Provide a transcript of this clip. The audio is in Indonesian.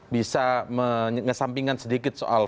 bisa mengesampingkan sedikit soal